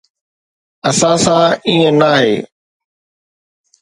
اسان سان ائين ناهي.